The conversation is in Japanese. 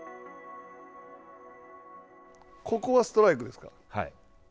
ここはストライクですか。